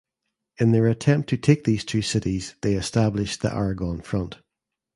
In their attempt to take these two cities they established the Aragon front.